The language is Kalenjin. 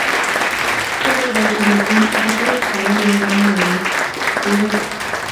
Kiaboiboitu mising akatoroch kamenyu komang'u rirek